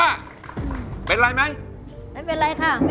คิดให้ดีครับ